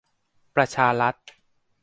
ประชารัฐ